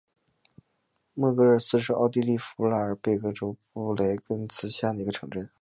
默格尔斯是奥地利福拉尔贝格州布雷根茨县的一个市镇。